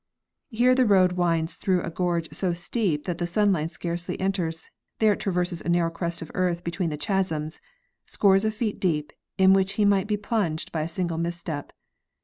Here the road winds through a gorge so steep that the sunlight scarcely enters; there it traverses a narrow crest of earth between the chasms, scores of feet deep, in which he might be plunged by a single misstep.